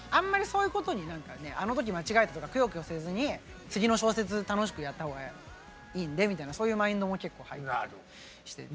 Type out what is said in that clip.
そういうことにあの時間違えたとかくよくよせずに次の小節楽しくやった方がいいんでみたいなそういうマインドも結構入ったりしてて。